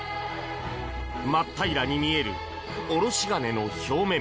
真っ平らに見えるおろし金の表面。